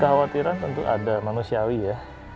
kekhawatiran tentu ada manusiawi ya